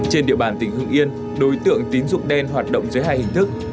trên địa bàn tỉnh hưng yên đối tượng tín dụng đen hoạt động dưới hai hình thức